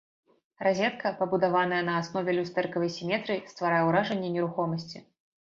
Разетка, пабудаваная на аснове люстэркавай сіметрыі, стварае ўражанне нерухомасці.